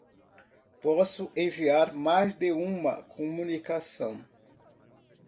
Posso enviar mais de uma comunicação?